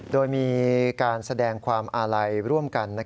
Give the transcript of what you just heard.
โดยมีการแสดงความอาลัยร่วมกัน